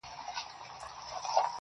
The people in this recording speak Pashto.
• كومه يوه خپله كړم.